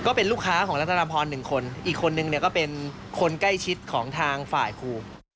ก็เป็นลูกค้าของรัฐนาพรหนึ่งคนอีกคนนึงเนี่ยก็เป็นคนใกล้ชิดของทางฝ่ายครู